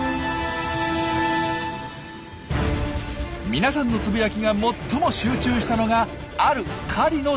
皆さんのつぶやきが最も集中したのがある狩りのシーン。